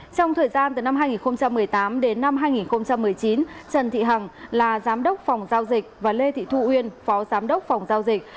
trong thời gian từ năm hai nghìn một mươi tám đến năm hai nghìn một mươi chín trần thị hằng là giám đốc phòng giao dịch và lê thị thu uyên phó giám đốc phòng giao dịch